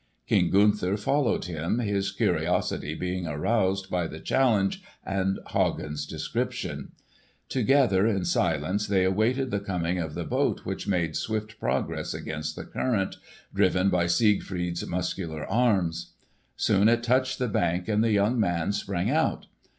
King Gunther followed him, his curiosity being aroused by the challenge and Hagen's description. Together in silence they awaited the coming of the boat which made swift progress against the current, driven by Siegfried's muscular arms. Soon it touched the bank, and the young man sprang out.